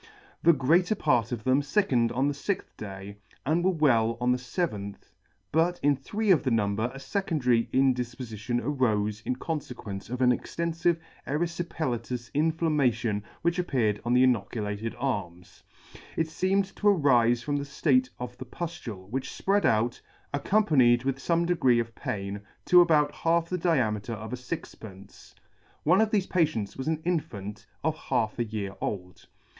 The greater part of them lickened on the fixth day, and were well on the feventh, but in three of the number a fecondary indifpofition arofe in confe quence of an extenfive eryfipelatous inflammation which ap peared on the inoculated arms. It feemed to arife from the ftate of the puftule, which fpread out, accompanied with fome degree of pain, to about half the diameter of a fixpence. One of thefe patients was an infant of half a year old.